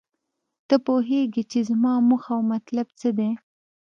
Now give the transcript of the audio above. ته پوهیږې چې زما موخه او مطلب څه دی